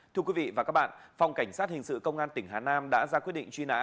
thưa quý vị và các bạn phòng cảnh sát hình sự công an tỉnh hà nam đã ra quyết định truy nã